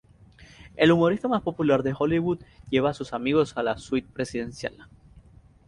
El humorista más popular de Hollywood lleva a sus amigos a la suite presidencial.